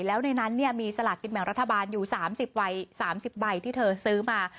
แล้วในนั้นมีสลากกินแบ่งรัฐบาลอยู่๓๐ใบ๓๐ใบที่เธอซื้อมา